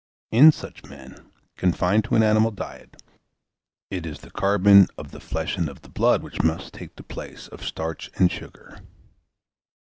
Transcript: In such men, confined to an animal diet, it is the carbon of the flesh and of the blood which must take the place of starch and sugar.